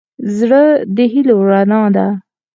زړه د هيلو رڼا ده.